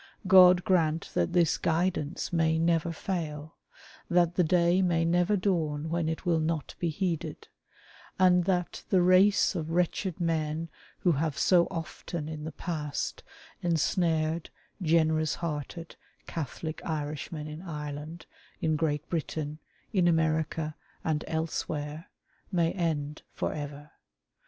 God grant that this guidance may never fail ; that the day may never dawn when it will not be heeded ; and that the race of wretched men who have so often in the past ensnared generous hearted, Catholic Irishmen in Ireland, in Great Britain, in America, and elsewhere, may end for ever.